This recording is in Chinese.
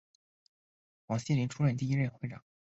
黄锡麟出任第一任会长。